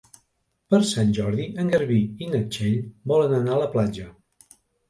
Per Sant Jordi en Garbí i na Txell volen anar a la platja.